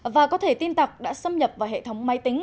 và có thể tin tặc đã xâm nhập vào hệ thống máy tính